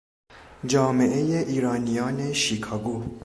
جامعهی ایرانیان شیکاگو